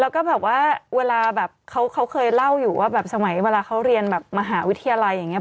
แล้วก็แบบว่าเขาเคยเล่าอยู่ว่าสมัยเวลาเขาเรียนมหาวิทยาลัยอย่างนี้